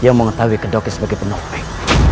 yang mengetahui kedoki sebagai penopeng